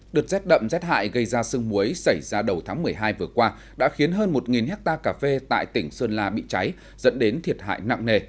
đợt rét đậm rét hại gây ra sương muối xảy ra đầu tháng một mươi hai vừa qua đã khiến hơn một hectare cà phê tại tỉnh sơn la bị cháy dẫn đến thiệt hại nặng nề